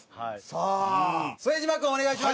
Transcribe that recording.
さあ副島君お願いします。